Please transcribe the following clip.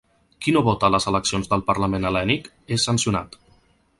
Qui no vota a les eleccions del Parlament Hel·lènic, és sancionat.